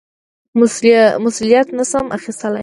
مسوولیت نه شم اخیستلای.